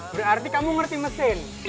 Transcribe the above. berarti kamu ngerti mesin